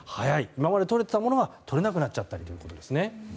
今までとれていたものがとれなくなったということです。